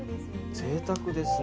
ぜいたくですね。